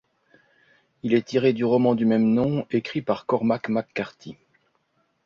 Il est tiré du roman du même nom écrit par Cormac McCarthy.